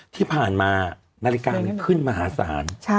ที่ผ่านมานาฬิกามันขึ้นมหาศาล